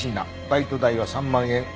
バイト代は３万円。